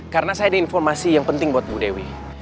karena saya ada informasi yang penting buat bu dewi